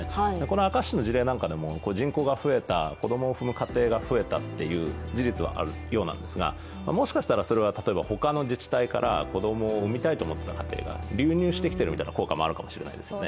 明石市の事例などでも、人口が増えた、子どもを産む家庭が増えたという事実はあるようなんですが、もしかしたら他の自治体から子供を産みたいと思った家庭が流入してきているという効果もあるかもしれないですね。